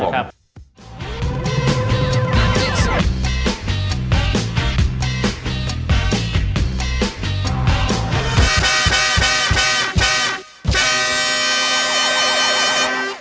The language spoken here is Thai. ครับผม